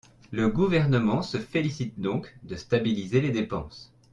La Gouvernement se félicite donc de stabiliser les dépenses.